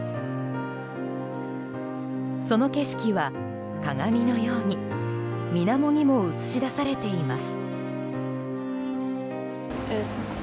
その景色は鏡のように水面にも映し出されています。